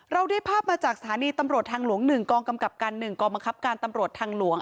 ได้ภาพมาจากสถานีตำรวจทางหลวง๑กองกำกับการ๑กองบังคับการตำรวจทางหลวง